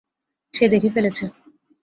সে দেখে ফেলেছে।